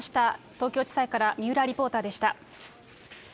東京地裁から三浦リポーターでした。